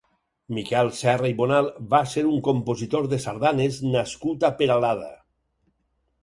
Miquel Serra i Bonal va ser un compositor de sardanes nascut a Peralada.